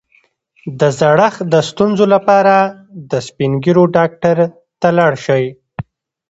د زړښت د ستونزو لپاره د سپین ږیرو ډاکټر ته لاړ شئ